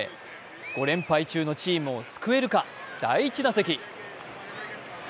５連敗中のチームを救えるか第１打席。